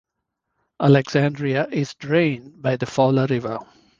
Alexandria is drained by the Fowler River.